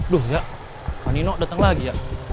duh ya pak nino datang lagi ya